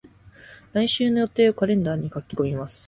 来週の予定をカレンダーに書き込みます。